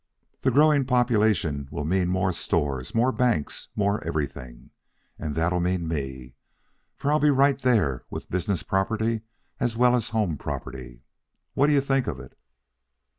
The growing population will mean more stores, more banks, more everything. And that'll mean me, for I'll be right there with business property as well as home property. What do you think of it?"